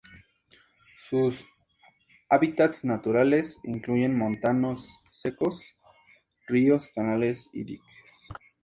Sus hábitats naturales incluyen montanos secos, ríos, canales y diques.